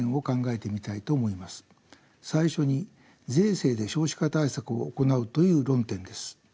最初に税制で少子化対策を行うという論点です。